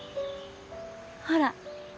ほら。